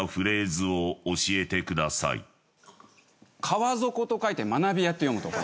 川底と書いて「まなびや」って読むとこ。